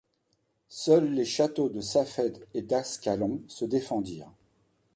Seuls les château de Safed et d'Ascalon se défendirent.